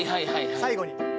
最後に。